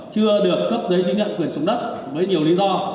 chưa được cấp giấy chứng nhận quyền sử dụng đất với nhiều lý do